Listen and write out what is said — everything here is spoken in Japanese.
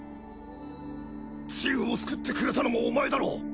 チウを救ってくれたのもお前だろう？